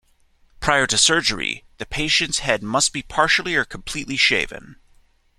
Prior to surgery, the patient's head must be partially or completely shaven.